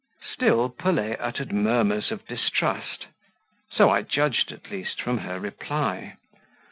Still Pelet uttered murmurs of distrust so I judged, at least, from her reply.